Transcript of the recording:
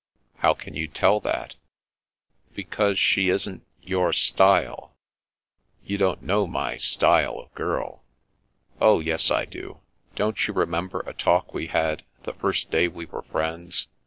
" How can you tell that ?"" Because — ^she isn't — ^your style." " You don't know my * style ' of girl." " Oh, yes, I do. Don't you remember a talk we had, the first day we were friends?